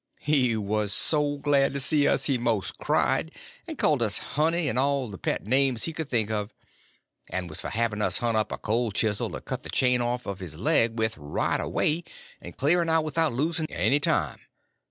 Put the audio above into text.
He was so glad to see us he most cried; and called us honey, and all the pet names he could think of; and was for having us hunt up a cold chisel to cut the chain off of his leg with right away, and clearing out without losing any time.